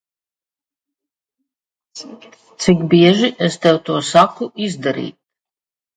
Cik bieži es tev to saku izdarīt?